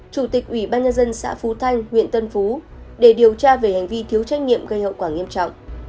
chủ tịch ủy ban nhân dân xã phú thanh huyện tân phú để điều tra về hành vi thiếu trách nhiệm gây hậu quả nghiêm trọng